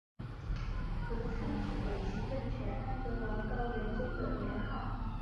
德昌是北齐政权安德王高延宗的年号。